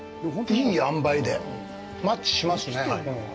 いいあんばいでマッチしますね。